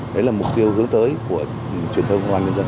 đấy là mục tiêu hướng tới của truyền thông công an nhân dân